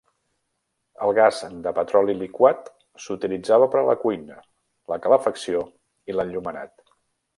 El gas de petroli liquat s'utilitzava per a la cuina, la calefacció i l'enllumenat.